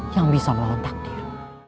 yang bisa melawan takdir